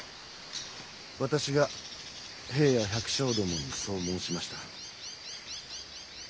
私が兵や百姓どもにそう申しました。